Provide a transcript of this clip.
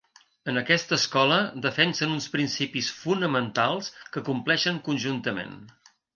En aquesta escola defensen uns principis fonamentals que compleixen conjuntament.